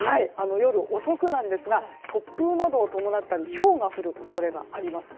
夜遅くなんですが突風などを伴ってひょうが降る恐れがあります。